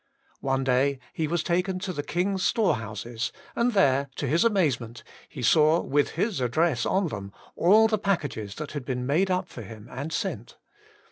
One day he was taken to the king's store houses, and there, to his amaze ment, he saw, with his address on them, all the packages that had been made up for him, and sent.